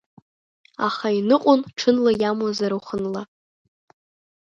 Аха иныҟәон, ҽынла иамуазар уахынла.